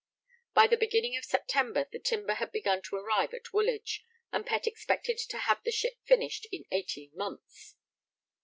By the beginning of September the timber had begun to arrive at Woolwich, and Pett expected to have the ship finished in eighteen months.